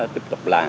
tiếp tục làm